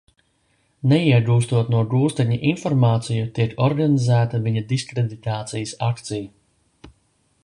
Neiegūstot no gūstekņa informāciju, tiek organizēta viņa diskreditācijas akcija.